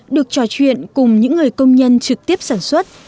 được trò chuyện cùng những người công nhân trực tiếp sản xuất